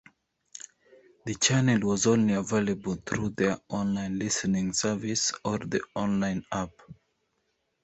The channel was only available through their online listening service or the online app.